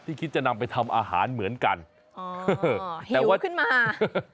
ที่คิดจะนำไปทำอาหารเหมือนกันอ๋อหิวขึ้นมาแต่ว่า